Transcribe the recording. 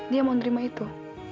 dia mau nerima itu